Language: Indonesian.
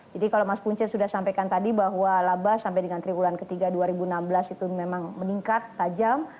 jadi kalau mas punca sudah sampaikan tadi bahwa laba sampai dengan triwulan ketiga dua ribu enam belas itu memang meningkat tajam